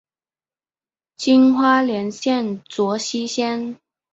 今花莲县卓溪乡。